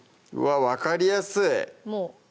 わぁ分かりやすい！